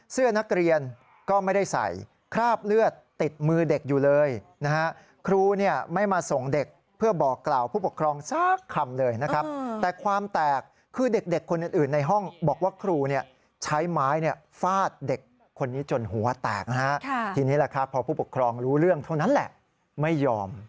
เสื้อนักเรียนก็ไม่ได้ใส่คราบเลือดติดมือเด็กอยู่เลยนะฮะครูเนี่ยไม่มาส่งเด็กเพื่อบอกกล่าวผู้ปกครองสักคำเลยนะครับแต่ความแตกคือเด็กคนอื่นในห้องบอกว่าครูเนี่ยใช้ไม้เนี่ยฟาดเด็กคนนี้จนหัวแตกนะฮะทีนี้แหละครับพอผู้ปกครองรู้เรื่องเท่านั้นแหละไม่ยอม